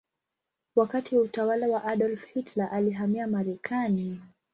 Wakati wa utawala wa Adolf Hitler alihamia Marekani.